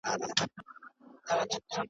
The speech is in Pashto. دلته نېستي ده وفا په یار کي.